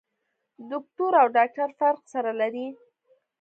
دوکتور او ډاکټر فرق سره لري.